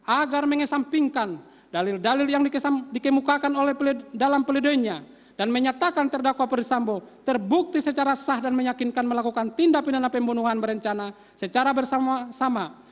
agar mengesampingkan dalil dalil yang dikemukakan dalam pledoinya dan menyatakan terdakwa perisambo terbukti secara sah dan meyakinkan melakukan tindak pidana pembunuhan berencana secara bersama sama